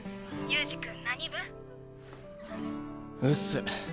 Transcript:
うっす。